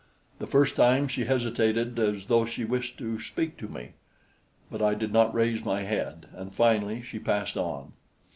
The first time she hesitated as though she wished to speak to me; but I did not raise my head, and finally she passed on.